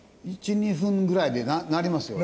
１２分ぐらいでなりますよね？